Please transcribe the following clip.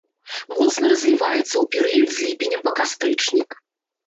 Моцна разліваецца ў перыяд з ліпеня па кастрычнік.